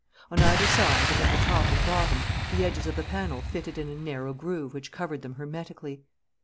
On either side and at the top and bottom the edges of the panel fitted in a narrow groove which covered them hermetically.